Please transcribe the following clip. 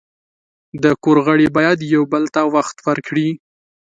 د کور غړي باید یو بل ته وخت ورکړي.